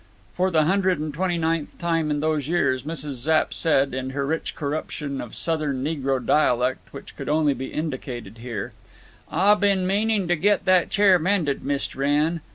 For the hundred and twenty ninth time in those years Mrs. Zapp said, in her rich corruption of Southern negro dialect, which can only be indicated here, "Ah been meaning to get that chair mended, Mist' Wrenn."